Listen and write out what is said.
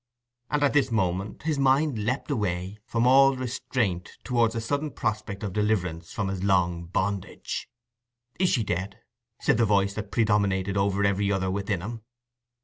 And at this moment his mind leaped away from all restraint toward the sudden prospect of deliverance from his long bondage. "Is she dead?" said the voice that predominated over every other within him.